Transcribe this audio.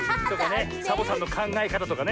サボさんのかんがえかたとかね。